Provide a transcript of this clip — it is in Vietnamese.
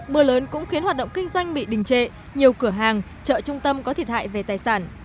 mưa lớn cũng khiến hoạt động kinh doanh bị đình trệ nhiều cửa hàng chợ trung tâm có thiệt hại về tài sản